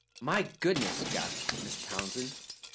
"My goodness!" gasped Mrs. Townsend.